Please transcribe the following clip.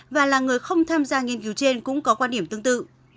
và là người không tham gia nghiên cứu trên cũng có quan điểm tương tự